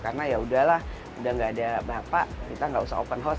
karena ya udahlah udah gak ada bapak kita gak usah open house